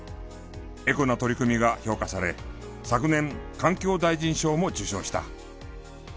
エコな取り組みが評価され昨年環境大臣賞も受賞した。